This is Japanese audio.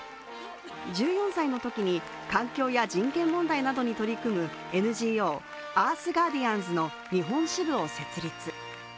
１４歳のときに、環境や人権問題などに取り組むＮＧＯＥａｒｔｈＧａｒｄｉａｎｓの日本支部を設立。